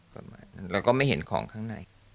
ประมาณนั้นเราก็ไม่เห็นของข้างใน